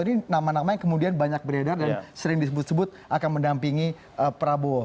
ini nama nama yang kemudian banyak beredar dan sering disebut sebut akan mendampingi prabowo